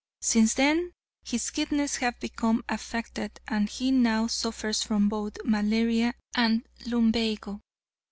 Since then his kidneys have become affected, and he now suffers from both malaria and lumbago.